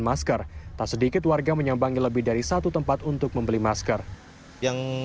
masker tak sedikit warga menyambangi lebih dari satu tempat untuk membeli masker yang